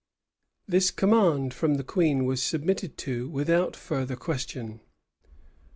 [*] This command from the queen was submitted to without further question.